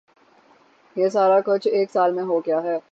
یہ سارا کچھ ایک سال میں ہو گیا ہے۔